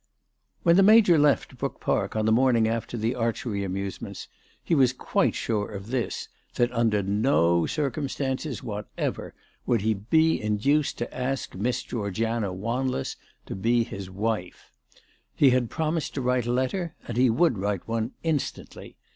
. the Major left Brook Park on the morning after the archery amusements he was quite sure of this, that under no circumstances whatever would he be induced to ask Miss Georgiana Wanless to be his wife. He had promised to write a letter, and he would write one instantly.